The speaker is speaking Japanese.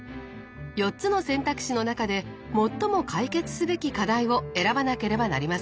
４つの選択肢の中で最も解決すべき課題を選ばなければなりません。